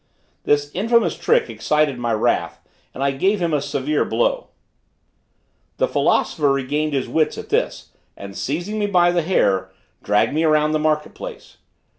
This infamous trick excited my wrath, and I gave him a severe blow. The philosopher regained his wits at this, and seizing me by the hair, dragged me around the market place.